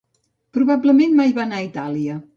Probablement mai va anar a Itàlia.